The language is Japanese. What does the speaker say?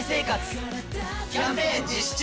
キャンペーン実施中！